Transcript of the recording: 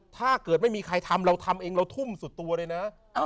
ถ้าเกิดไม่มีใครทำเราทำเองเราทุ่มสุดตัวเลยนะ